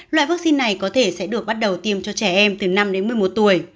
loại vaccine này có thể sẽ được bắt đầu tiêm cho trẻ em từ năm đến một mươi một tuổi